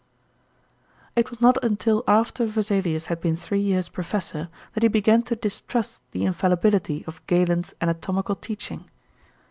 It was not until after Vesalius had been three years professor that he began to distrust the infallibility of Galen's anatomical teaching.